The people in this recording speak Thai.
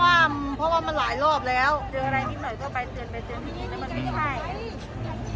เพราะว่าเพราะว่ามันหลายรอบแล้วเจออะไรนิดหน่อยก็ไปเตือนไปเตือนทีนี้